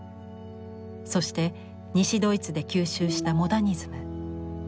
そして西ドイツで吸収したモダニズム。